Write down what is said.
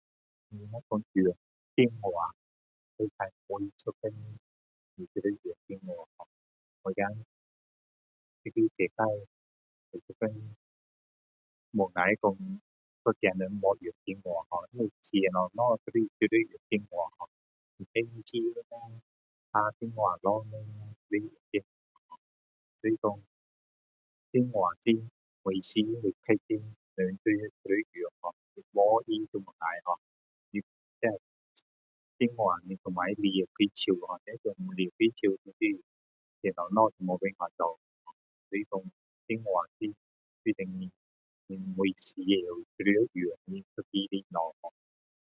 用电话每一天你都要用电话我怕这个世界有一天不能够说一个人没有用电话因为什么东西都是用电话还钱啦打电话找人啦所以说电话是每个人都要用的没有它是不行的电话你都不能离开手如果离开手就是什么东西都没有办法做所以说电话是每个时候都要用一个东西咯